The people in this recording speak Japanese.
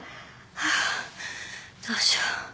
ハァどうしよう。